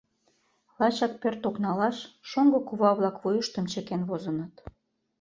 Лачак пӧрт окналаш шоҥго кува-влак вуйыштым чыкен возыныт.